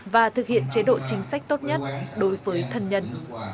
và thực hiện chế độ chính sách tốt nhất đối với thân nhân